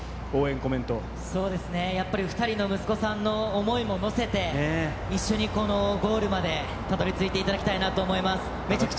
そうですね、やっぱり２人の息子さんの想いものせて、一緒にこのゴールまでたどりついていただきたいなと思います。